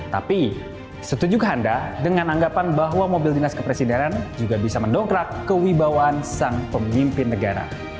tapi setujukah anda dengan anggapan bahwa mobil dinas kepresidenan juga bisa mendongkrak kewibawaan sang pemimpin negara